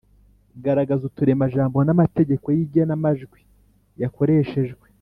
garagaza uturemajambo n’amategeko y’igenamajwi yakoreshejwe